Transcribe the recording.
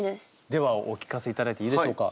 ではお聴かせいただいていいでしょうか。